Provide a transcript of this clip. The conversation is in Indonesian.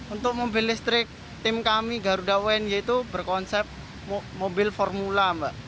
untuk mobil listrik tim kami garuda wni itu berkonsep mobil formula mbak